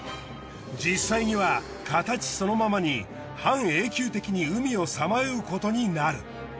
実際には形そのままに半永久的に海をさまようことになる。